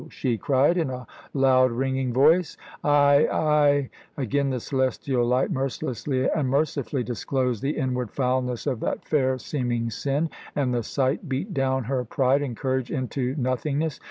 she cried in a loud, ringing voice. "I I " Again the celestial light mercilessly and mercifully disclosed the inward foulness of that fair seeming sin, and the sight beat down her pride and courage into nothingness.